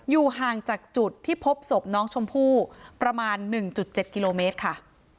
อยู่ห่างจากจุดที่พบศพน้องชมพู่ประมาณหนึ่งจุดเจ็ดกิโลเมตรค่ะ